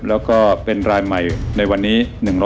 แล้วก็เป็นรายใหม่ในวันนี้